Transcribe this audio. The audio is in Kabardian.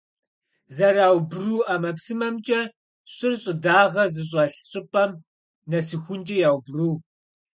Зэраубру ӀэмэпсымэмкӀэ щӀыр щӀыдагъэ зыщӀэлъ щӀыпӀэм нэсыхункӀэ яубру.